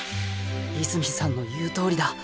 泉さんの言うとおりだ。